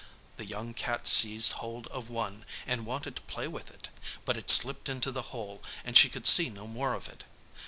The young cat seized hold of one, and wanted to play with it, but it slipped into the hole and she could see no more of it.